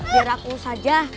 biar aku saja